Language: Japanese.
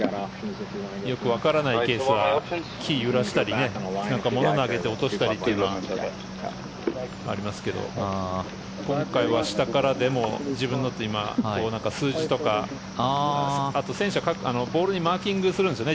よくわからないケースは木を揺らしたり物を投げて落としたりというのはありますけど今回は下からでも自分でも数字とか、あと選手はボールにマーキングするんですね。